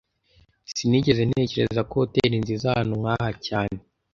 Sinigeze ntekereza ko hoteri nziza ahantu nkaha cyane